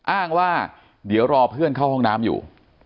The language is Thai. อ้างว่าเดี๋ยวรอเพื่อนเข้าห้องน้ำอยู่